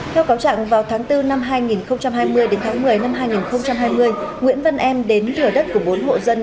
theo cáo trạng vào tháng bốn năm hai nghìn hai mươi đến tháng một mươi năm hai nghìn hai mươi nguyễn văn em đến thừa đất của bốn hộ dân